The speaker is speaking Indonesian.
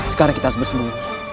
sekarang kita harus bersembunyi